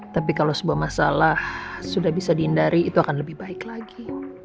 tapi kalau sebuah masalah sudah bisa dihindari itu akan lebih baik lagi